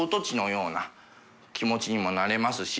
気持ちにもなれますし。